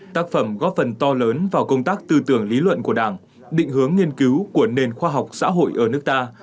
tác phẩm góp phần to lớn vào công tác tư tưởng lý luận của đảng định hướng nghiên cứu của nền khoa học xã hội ở nước ta